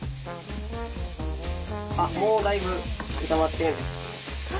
あっもうだいぶ炒まってる。